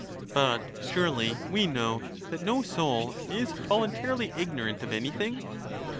But surely we know that no soul is voluntarily ig norant of anything